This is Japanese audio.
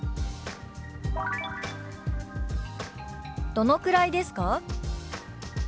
「どのくらいですか？」。